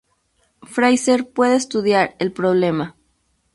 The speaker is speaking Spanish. Fraiser pueda estudiar el problema.